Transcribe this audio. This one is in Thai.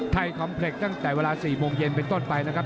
คอมเพล็กตั้งแต่เวลา๔โมงเย็นเป็นต้นไปนะครับ